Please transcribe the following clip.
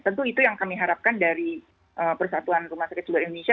tentu itu yang kami harapkan dari persatuan rumah sakit seluruh indonesia